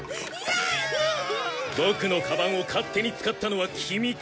ボクのカバンを勝手に使ったのはキミか？